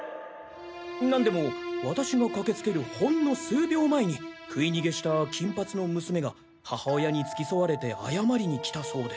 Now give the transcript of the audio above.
何でも私がかけつけるほんの数秒前に食い逃げした金髪の娘が母親に付き添われて謝りに来たそうで。